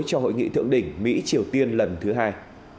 cho hội nghị thượng đỉnh mỹ triều tiên lần thứ hai